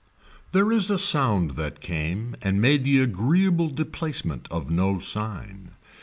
There is a sound that came and made the agreeable deplacement of no sign.